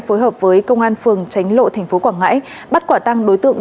phối hợp với công an phường tránh lộ tp quảng ngãi bắt quả tăng đối tượng